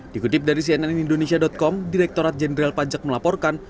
dikutip dari cnnindonesia com direkturat jenderal pajak melaporkan